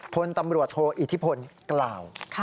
คนตำรวจโทรอิทธิพลกล่าวค่ะ